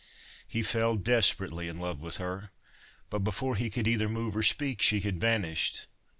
He fell desperately in love with her, but before he could either move or speak, she had vanished.